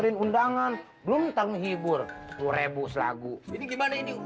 kan ulang tahun dia masih mau kasih selamat nama saya yunet bukan selamat lu tahu